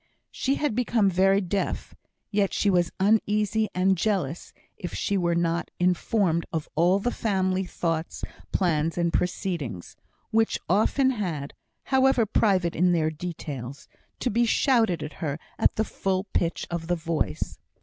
She had become very deaf; yet she was uneasy and jealous if she were not informed of all the family thoughts, plans, and proceedings, which often had (however private in their details) to be shouted to her at the full pitch of the voice.